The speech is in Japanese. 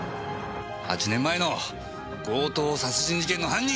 ８年前の強盗殺人事件の犯人！